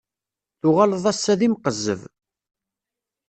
Tuɣaleḍ ass-a d imqezzeb.